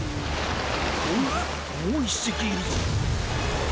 おっもう１せきいるぞ！